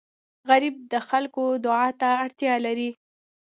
غریب د خلکو دعا ته اړتیا لري